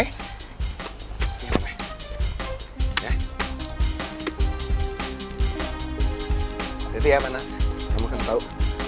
hati hati ya panas kamu akan tahu